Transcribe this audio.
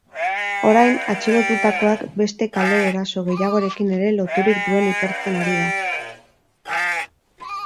Orain, atxilotutakoak beste kale-eraso gehiagorekin ere loturik duen ikertzen ari dira.